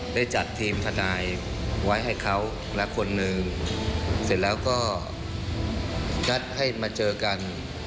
ได้จัดทีมทนายไว้ให้เขาและคนหนึ่งเสร็จแล้วก็นัดให้มาเจอกัน